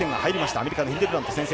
アメリカのヒルデブラント先制。